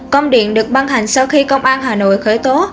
công điện được ban hành sau khi công an hà nội khởi tố